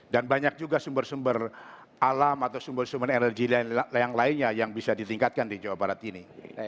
dan banyak juga sumber sumber alam atau sumber sumber energi yang lainnya yang bisa ditingkatkan di jawa barat ini